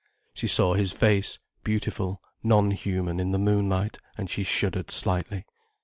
She saw his face, beautiful, non human in the moonlight, and she shuddered slightly.